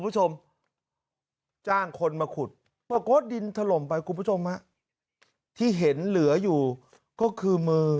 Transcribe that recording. จ้างคนมาขุดปรากฏดินถล่มไปที่เห็นเหลืออยู่ก็คือมือ